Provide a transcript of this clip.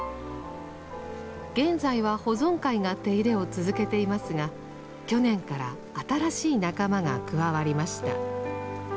現在は保存会が手入れを続けていますが去年から新しい仲間が加わりました。